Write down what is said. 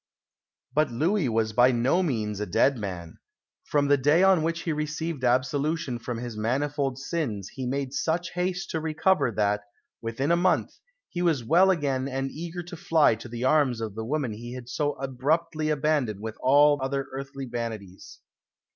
But Louis was by no means a dead man. From the day on which he received absolution from his manifold sins he made such haste to recover that, within a month, he was well again and eager to fly to the arms of the woman he had so abruptly abandoned with all other earthly vanities.